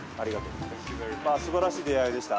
すばらしい出会いでした。